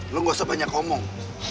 lo gak usah banyak ngomong